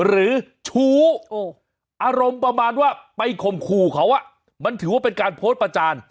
หรือชู้อารมณ์ประมาณว่าไปข่มขู่เขามันถือว่าเป็นการโพสต์ประจาน